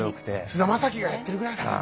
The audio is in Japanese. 菅田将暉がやってるぐらいだから。